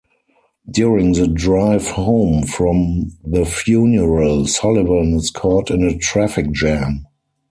During the drive home from the funeral, Sullivan is caught in a traffic jam.